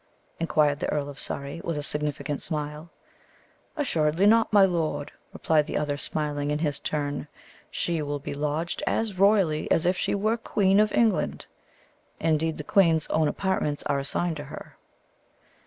inquired the Earl of Surrey, with a significant smile. "Assuredly not, my lord!" replied the other, smiling in his turn. "She will be lodged as royally as if she were Queen of England. Indeed, the queen's own apartments are assigned her."